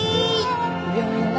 病院だな。